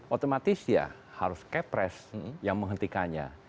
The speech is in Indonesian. otomatis ya harus kepres yang menghentikannya